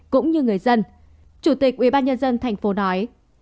chủ tịch ubnd tp nói